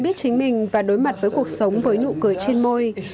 mình mình và đối mặt với cuộc sống với nụ cười trên môi